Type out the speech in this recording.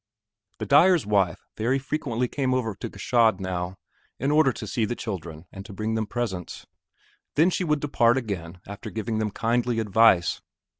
The dyer's wife very frequently came over to Gschaid now, in order to see the children and to bring them presents. Then she would depart again after giving them kindly advice.